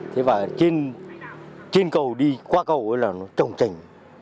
thế và trên cầu đi qua cầu là nó trồng trành